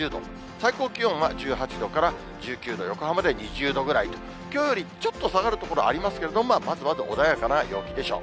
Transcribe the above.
最高気温は１８度から１９度、横浜で２０度ぐらいと、きょうよりちょっと下がる所ありますけれども、まずまず穏やかな陽気でしょう。